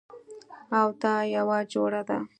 او دا یوه جوړه ده